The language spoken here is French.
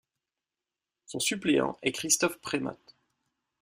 Son suppléant est Christophe Premat.